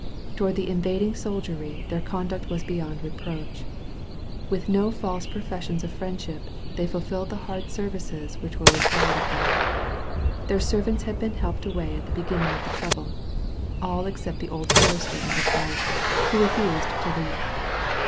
Toward the invading soldiery their conduct was beyond reproach. With no false pro fessions of friendship, they fulfilled the hard ser vices which were required of them. Their servants had been helped away at the beginning of the trouble — all except the old forester and his wife, who re fused to leave.